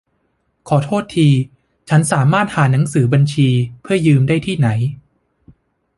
ขอโทษที ฉันสามารถหาหนังสือบัญชีเพื่อยืมได้ที่ไหน ?